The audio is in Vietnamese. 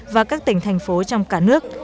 và các tỉnh thành phố trong cả nước